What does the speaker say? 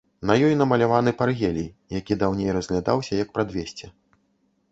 На ёй намаляваны паргелій, які даўней разглядаўся як прадвесце.